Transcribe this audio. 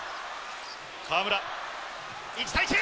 河村、１対１。